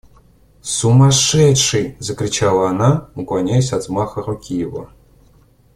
– Сумасшедший! – закричала она, уклоняясь от взмаха руки его.